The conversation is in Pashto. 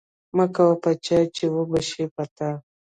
مکوه په چا چې وبه شي په تا.